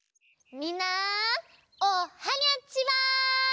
みんなおはにゃちは！